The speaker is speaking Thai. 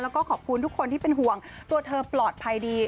แล้วก็ขอบคุณทุกคนที่เป็นห่วงตัวเธอปลอดภัยดี